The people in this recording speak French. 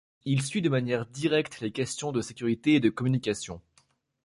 Il suit de manière directe les questions de sécurité et de communication.